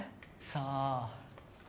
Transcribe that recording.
さあ！？